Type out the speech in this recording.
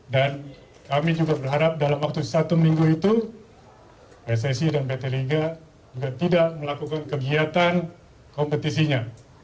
dan kami juga berharap dalam waktu satu minggu itu pssi dan pt liga tidak melakukan kegiatan kompetisinya